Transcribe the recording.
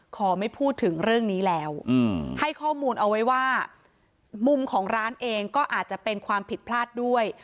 ขอไม่พูดถึงเรื่องนี้แล้วให้ข้อมูลเอาไว้ว่ามุมของร้านเองก็อาจจะเป็นความผิดพลาดด้วย